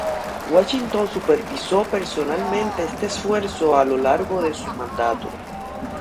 Washington supervisó personalmente este esfuerzo a lo largo de su mandato.